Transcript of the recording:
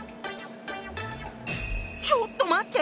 ちょっと待って。